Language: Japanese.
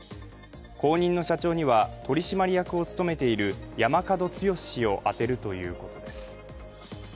後任の社長には取締役を務めている山角豪氏を充てるということです。